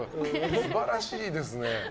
素晴らしいですね。